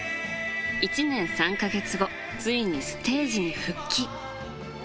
１年３か月後、ついにステージに復帰。